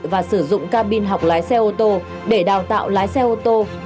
và sử dụng ca bin học lái xe ô tô để đào tạo lái xe ô tô